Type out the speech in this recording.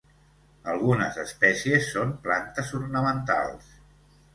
Algunes espècies són plantes ornamentals.